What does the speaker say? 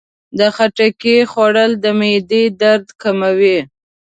د خټکي خوړل د معدې درد کموي.